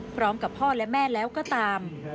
พร้อมกับพ่อและแม่แล้วก็ตาม